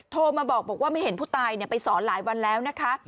โทรมาบอกว่าไม่เห็นผู้ตายไปสอนหลายวันแล้วนะคะ